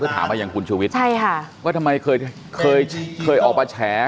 เพื่อถามมาอย่างคุณชุวิตใช่ค่ะว่าทำไมเคยเคยออกมาแชร์